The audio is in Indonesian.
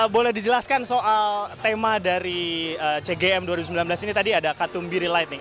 boleh dijelaskan soal tema dari cgm dua ribu sembilan belas ini tadi ada katumbiri lighting